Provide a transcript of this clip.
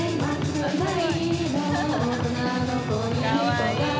はい。